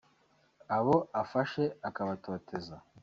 abo afashe akabatoteza